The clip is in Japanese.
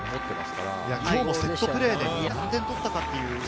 今日もセットプレーで何点取ったかという。